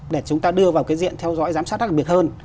để chúng ta đưa vào cái diện theo dõi giám sát đặc biệt hơn